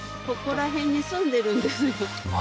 ここら辺に住んでるんですよ